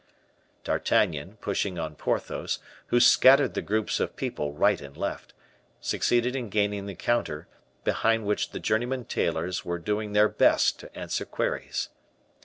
D'Artagnan, pushing on Porthos, who scattered the groups of people right and left, succeeded in gaining the counter, behind which the journeyman tailors were doing their best to answer queries.